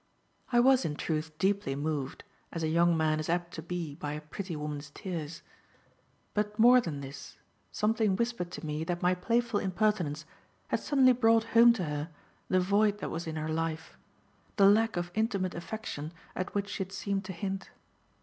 I was, in truth, deeply moved, as a young man is apt to be by a pretty woman's tears. But more than this, something whispered to me that my playful impertinence had suddenly brought home to her the void that was in her life; the lack of intimate affection at which she had seemed to hint.